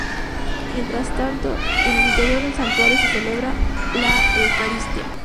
Mientras tanto, en el interior del santuario se celebra la Eucaristía.